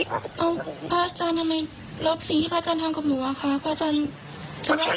ภายจานบุญก็คุย